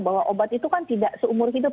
bahwa obat itu kan tidak seumur hidup